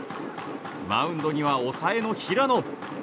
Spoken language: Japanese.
マウンドには抑えの平野。